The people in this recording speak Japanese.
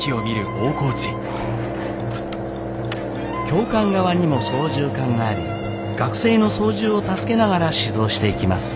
Ｗｉｎｇｌｅｖｅｌ．教官側にも操縦かんがあり学生の操縦を助けながら指導していきます。